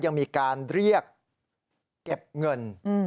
ยังมีการเรียกเก็บเงิน